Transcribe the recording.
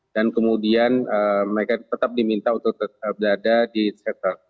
dan kemudian mereka tetap diminta untuk tetap berada di selter